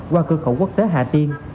qua cửa khẩu quốc tế hà tiên